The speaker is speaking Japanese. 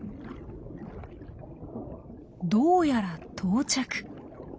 どうやら到着。